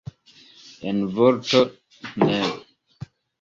En vorto, ne.